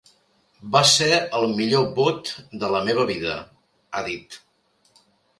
Va ser el millor vot de la meva vida, ha dit.